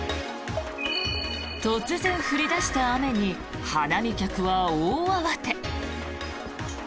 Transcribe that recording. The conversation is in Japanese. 突然降り出した雨に花見客は大慌て。